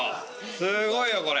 すごいよこれ！